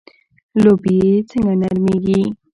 لوبیې څنګه نرمیږي؟